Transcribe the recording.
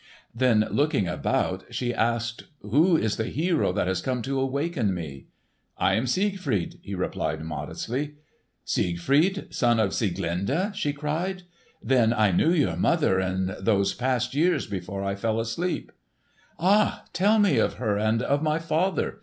Then looking about she asked, "Who is the hero that has come to waken me?" "I am Siegfried," he replied modestly. "Siegfried, son of Sieglinde?" she cried. "Then I knew your mother in those past years before I fell asleep!" "Oh, tell me of her and of my father!"